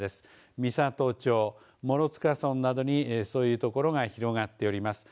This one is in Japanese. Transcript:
美郷町、諸塚村などにそういうところが広がっております。